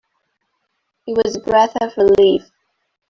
It was a breath of relief.